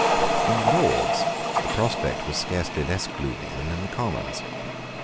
In the Lords the prospect was scarcely less gloomy than in the Commons.